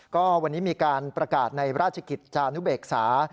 ก็วันนี้มีการประกาศในราชกิจจานุเบกษา